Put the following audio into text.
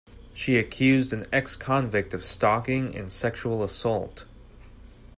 She accused an ex-convict of stalking and sexual assault.